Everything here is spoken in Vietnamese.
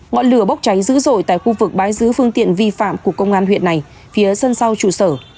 ngọn lửa bốc cháy dữ dội tại khu vực bãi giữ phương tiện vi phạm của công an huyện này phía sau trụ sở